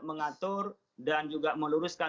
mengatur dan juga meluruskan